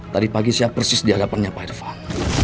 tadi pagi saya persis dihadapannya pak irfan